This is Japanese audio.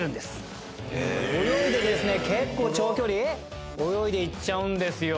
泳いでですね結構長距離泳いでいっちゃうんですよ。